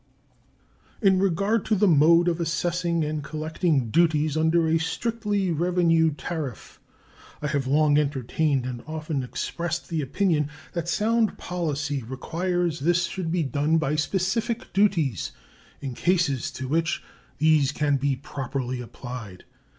In regard to the mode of assessing and collecting duties under a strictly revenue tariff, I have long entertained and often expressed the opinion that sound policy requires this should be done by specific duties in cases to which these can be properly applied.